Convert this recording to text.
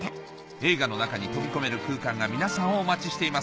映画の中に飛び込める空間が皆さんをお待ちしています